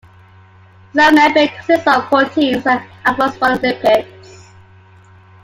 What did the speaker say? A cell membrane consists of proteins and phospholipids.